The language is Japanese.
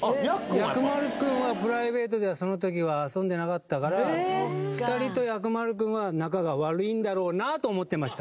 薬丸くんはプライベートではその時は遊んでなかったから２人と薬丸くんは仲が悪いんだろうなと思ってました。